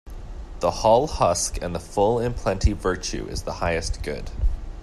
The hull husk and the full in plenty Virtue is the highest good.